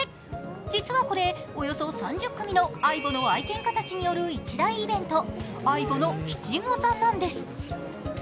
実はこれ、およそ３０組のＡＩＢＯの愛犬家たちによる一大イベント、ＡＩＢＯの七五三なんです。